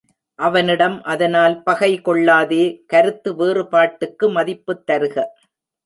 அவனிடம் அதனால் பகை கொள்ளாதே கருத்து வேறுபாட்டுக்கு மதிப்புத் தருக.